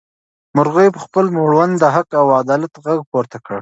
مرغۍ په خپل مړوند د حق او عدالت غږ پورته کړ.